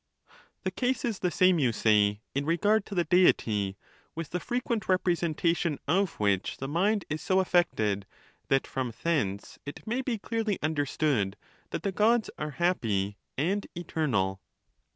The case is the same, you say, in regard to the Deity, with the frequent representation of which the mind is so affected that from thence it may be clearly un derstood that the Gods' are happy and eternal.